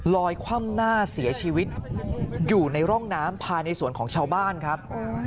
คว่ำหน้าเสียชีวิตอยู่ในร่องน้ำภายในสวนของชาวบ้านครับ